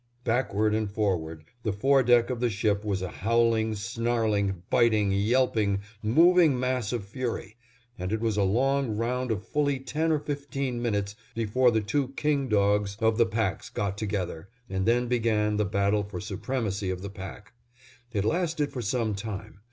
Backward and forward, the foredeck of the ship was a howling, snarling, biting, yelping, moving mass of fury, and it was a long round of fully ten or fifteen minutes before the two king dogs of the packs got together, and then began the battle for supremacy of the pack. It lasted for some time.